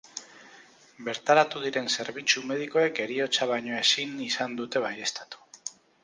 Bertaratu diren zerbitzu medikoek heriotza baino ezin izan dute baieztatu.